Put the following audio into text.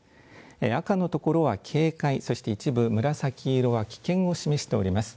赤の所は警戒、そして一部紫色は危険を示しております。